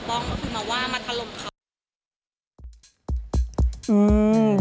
ก็คือมาว่ามาทะลมเขา